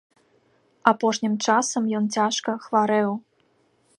Апошнім часам ён цяжка хварэў.